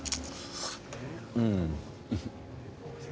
うん。